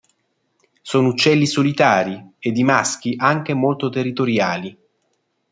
Sono uccelli solitari ed i maschi anche molto territoriali.